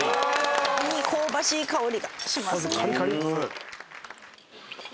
香ばしい香りがしますね。